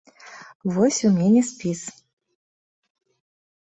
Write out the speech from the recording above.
Вось у мене спіс.